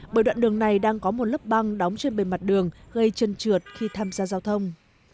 bởi đoạn đường này đang có một lớp băng đóng trên bề mặt đường gây chân trượt khi tham gia giao thông